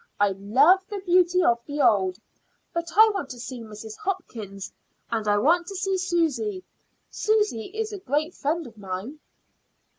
I love the beauty of the old. But I want to see Mrs. Hopkins, and I want to see Susy. Susy is a great friend of mine."